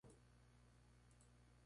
Hoy, en la actual provincia de Salamanca.